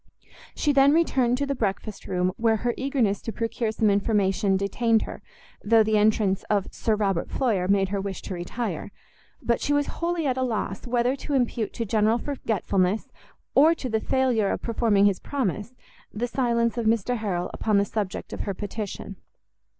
She then returned to the breakfast room, where her eagerness to procure some information detained her, though the entrance of Sir Robert Floyer made her wish to retire. But she was wholly at a loss whether to impute to general forgetfulness, or to the failure of performing his promise, the silence of Mr Harrel upon the subject of her petition.